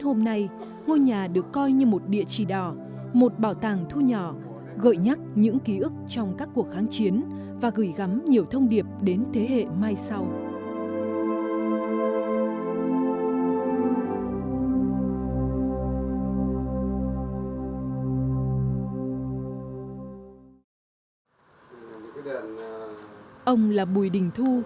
ông là bùi đình thu nhập ngũ năm một nghìn chín trăm bảy mươi hai khi mới vừa tròn hai mươi tuổi